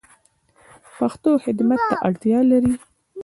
پښتو خدمت ته اړتیا لری